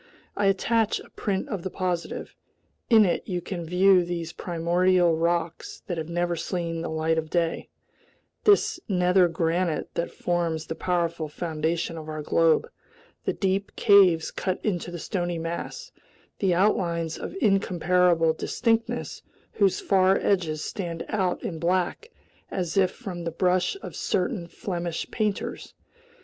I attach a print of the positive. In it you can view these primordial rocks that have never seen the light of day, this nether granite that forms the powerful foundation of our globe, the deep caves cut into the stony mass, the outlines of incomparable distinctness whose far edges stand out in black as if from the brush of certain Flemish painters.